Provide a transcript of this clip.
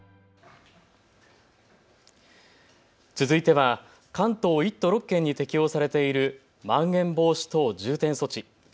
続いては関東１都６県に適用されているまん延防止等重点措置。